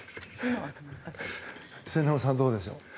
末延さん、どうでしょう。